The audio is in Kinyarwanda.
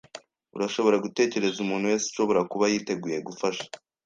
Urashobora gutekereza umuntu wese ushobora kuba yiteguye gufasha?